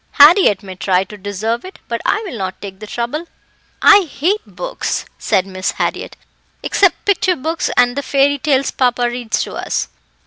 Harriett may try to deserve it, but I will not take the trouble." "I hate books," said Miss Harriett, "except picture books, and the fairy tales papa reads to us."